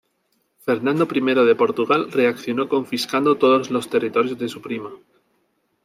Fernando I de Portugal reaccionó confiscando todos los territorios de su prima.